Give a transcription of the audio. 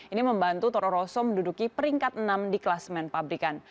ini membantu toro rosso menduduki peringkat enam di kelasmen pabrikan